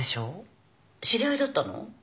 知り合いだったの？